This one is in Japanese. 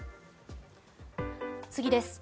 次です。